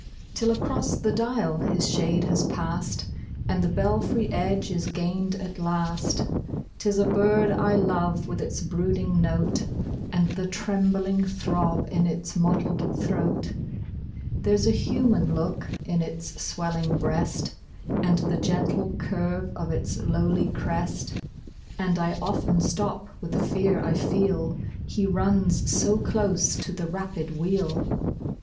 Till across the dial his shade has pass'd, And the belfry edge is gain'd at last. 'Tis a bird I love, with its brooding note, And the trembling throb in its mottled throat ; There's a human look in its swellinor breast, And the gentle curve of its lowly crest ; And I often stop with the fear I feel — He runs so close to the rapid wheel.